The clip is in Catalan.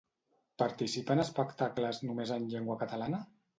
Participa en espectacles només en llengua catalana?